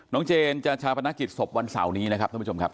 เจนจะชาปนกิจศพวันเสาร์นี้นะครับท่านผู้ชมครับ